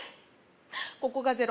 ここがゼロ